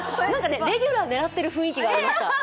レギュラー狙ってる雰囲気がありました。